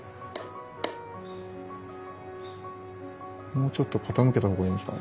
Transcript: もうちょっと傾けた方がいいんですかね？